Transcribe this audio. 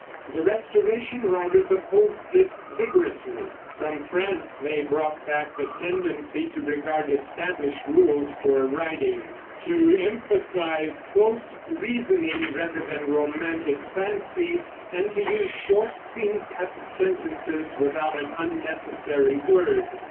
The Restoration writers opposed this vigorously. From France they brought back the tendency to regard established rules for writing, to emphasize close reasoning rather than romantic fancy, and to use short, clean cut sentences without an unnecessary word.